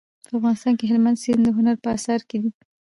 په افغانستان کې هلمند سیند د هنر په اثارو کې دی.